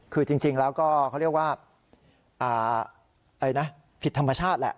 คือจริงแล้วก็เขาเรียกว่าผิดธรรมชาติแหละ